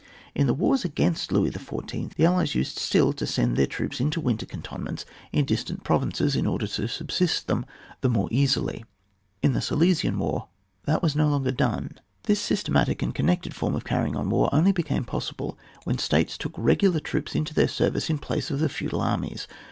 In the wars against Louis XIY. the allies used still to send their troops into winter cantonments in distant provinces in order to subsist them the more easily; in the Silesian war that was no longer done. This systematic and connected form of carrying on war only became possible when states took regular troops into their service in place of the feudal armies.